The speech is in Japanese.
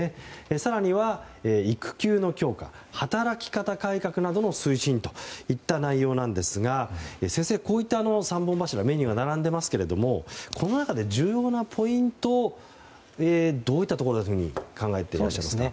更には育休の強化働き方改革などの推進といった内容なんですが先生、こういった３本柱メニューが並んでいますけれどもこの中で重要なポイントどういったところと考えてらっしゃいますか？